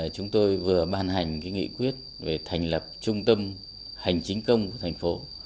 chúng tôi vừa ban hành nghị quyết về thành lập trung tâm hành chính công của thành phố